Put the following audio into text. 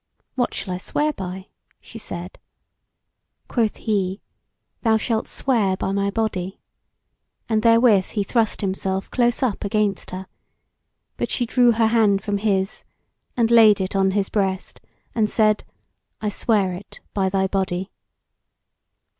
"What shall I swear by?" she said. Quoth he, "Thou shalt swear by my body;" and therewith he thrust himself close up against her; but she drew her hand from his, and laid it on his breast, and said: "I swear it by thy body."